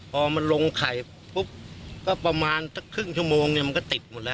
พอมันลงไข่ปุ๊บก็ประมาณสักครึ่งชั่วโมงเนี่ยมันก็ติดหมดแล้ว